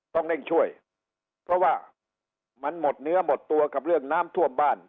ต้องเร่งช่วยเพราะว่ามันหมดเนื้อหมดตัวกับเรื่องน้ำท่วมบ้าน